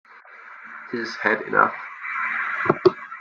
He's had enough.